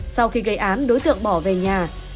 sau khi gây án đối tượng bỏ về nhà